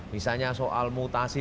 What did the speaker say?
misalnya soal mutasi